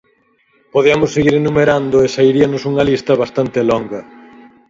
Podiamos seguir enumerando e sairíanos unha lista bastante longa.